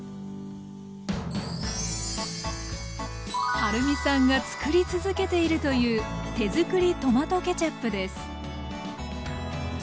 はるみさんがつくり続けているという手づくりトマトケチャップです。